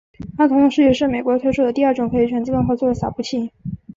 它同时也是美国推出的第二种可以全自动操作的洒布器。